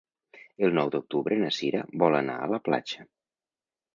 El nou d'octubre na Cira vol anar a la platja.